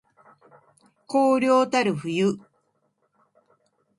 荒涼たる冬